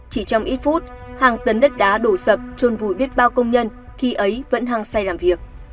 chỉ trong ít phút hàng tấn đất đá đổ sập trôn vùi biết bao công nhân khi ấy vẫn hăng say làm việc